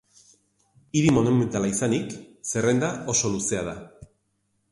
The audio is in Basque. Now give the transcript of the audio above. Hiri monumentala izanik, zerrenda oso luzea da.